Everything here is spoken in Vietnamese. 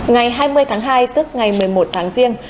ngày hai mươi tháng hai tức ngày một mươi một tháng riêng